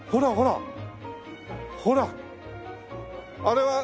ほらほら！